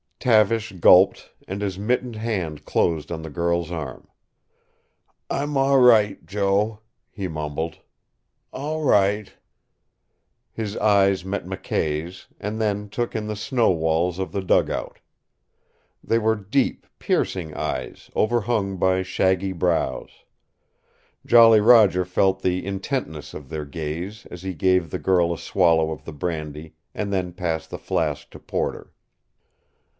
Tavish gulped, and his mittened hand closed on the girl's arm. "I'm all right, Jo," he mumbled. "All right " His eyes met McKay's, and then took in the snow walls of the dug out. They were deep, piercing eyes, overhung by shaggy brows. Jolly Roger felt the intentness of their gaze as he gave the girl a swallow of the brandy, and then passed the flask to Porter.